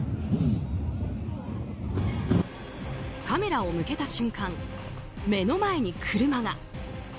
カメラを向けた瞬間目の前に車が。